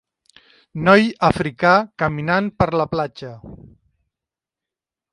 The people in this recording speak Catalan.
Noi africà caminant per la platja.